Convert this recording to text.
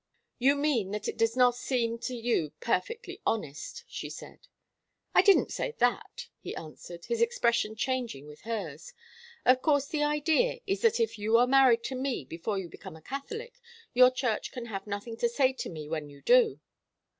"You mean that it does not seem to you perfectly honest," she said. "I didn't say that," he answered, his expression changing with hers. "Of course the idea is that if you are married to me before you become a Catholic, your church can have nothing to say to me when you do."